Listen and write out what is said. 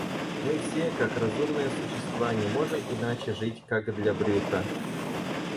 Мы все, как разумные существа, не можем иначе жить, как для брюха.